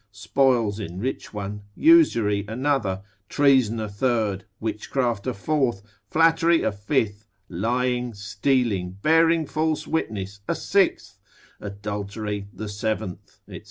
spoils enrich one, usury another, treason a third, witchcraft a fourth, flattery a fifth, lying, stealing, bearing false witness a sixth, adultery the seventh, &c.